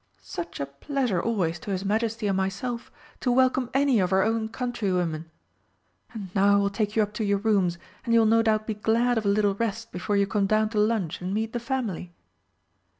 Such a pleasure always to his Majesty and myself to welcome any of our own country women! And now I will take you up to your rooms, and you will no doubt be glad of a little rest before you come down to lunch and meet the family."